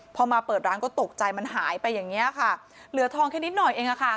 พอมาเปิดร้านก็ตกใจมันหายไปอย่างเงี้ยค่ะเหลือทองแค่นิดหน่อยเองอะค่ะ